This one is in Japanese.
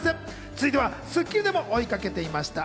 続いては『スッキリ』でも追いかけていました。